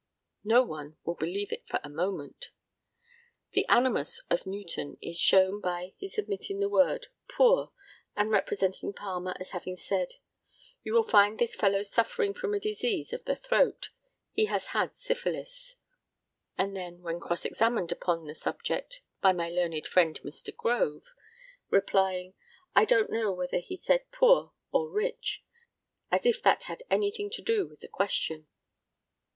No one will believe it for a moment. The animus of Newton is shown by his omitting the word "poor," and representing Palmer as having said, "You will find this fellow suffering from a disease of the throat; he has had syphilis;" and then, when cross examined upon the subject by my learned friend Mr. Grove, replying, "I don't know whether he said poor or rich," as if that had anything to do with the question.